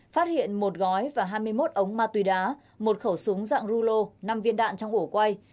phát hiện một gói và hai mươi một ống ma túy đá một khẩu súng dạng rulo năm viên đạn trong ổ quay